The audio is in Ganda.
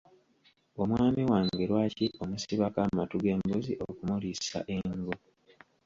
Omwami wange lwaki omusibako amatu g'embuzi okumuliisa engo?